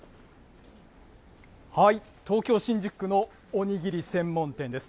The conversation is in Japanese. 東京・新宿区のおにぎり専門店です。